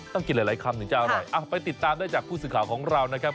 ต้องกินหลายคำถึงจะอร่อยไปติดตามได้จากผู้สื่อข่าวของเรานะครับ